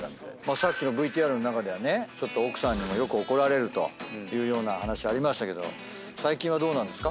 さっきのＶＴＲの中ではねちょっと奥さんによく怒られるというような話ありましたけど最近はどうなんですか？